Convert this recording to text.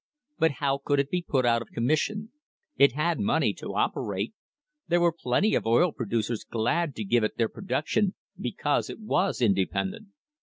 But how could it be put out of commission? It had money to operate. There were plenty of oil producers glad to give it their prod uct, because it was independent.